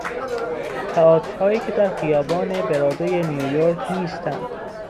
تئاترهایی که در خیابان برادوی نیویورک نیستند.